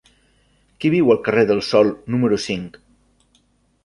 Qui viu al carrer del Sol número cinc?